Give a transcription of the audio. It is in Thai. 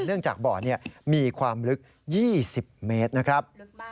จากบ่อมีความลึก๒๐เมตรนะครับ